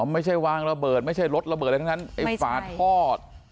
ไม่ใช่วางระเบิดไม่ใช่รถระเบิดอะไรทั้งนั้นไอ้ฝาทอด